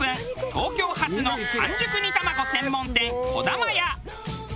東京初の半熟煮たまご専門店こだま屋。